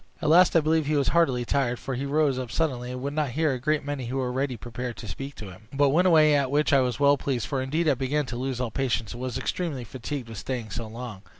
At last I believe he was heartily tired, for he rose up suddenly, and would not hear a great many who were ready prepared to speak to him, but went away, at which I was well pleased, for indeed I began to lose all patience, and was extremely fatigued with staying so long.